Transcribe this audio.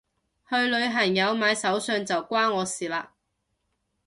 去旅行有買手信就關我事嘞